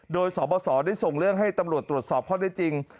โดยสบสได้ส่งเรื่องให้ตำรวจตรวจสอบข้อได้จริง